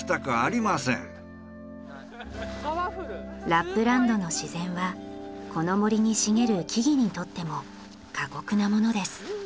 ラップランドの自然はこの森に茂る木々にとっても過酷なものです。